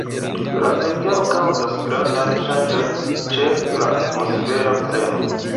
La vetero kaŭzas grandan ŝanĝon ĉe la atmosfera premo.